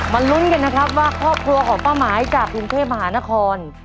ลุ้นกันนะครับว่าครอบครัวของป้าหมายจากกรุงเทพมหานคร